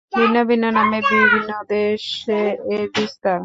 ভিন্ন ভিন্ন নামে বিভিন্ন দেশে এর বিস্তার।